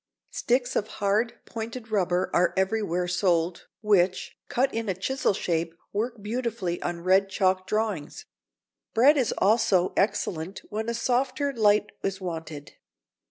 Sticks of hard, pointed rubber are everywhere sold, which, cut in a chisel shape, work beautifully on red chalk drawings. Bread is also excellent when a softer light is wanted.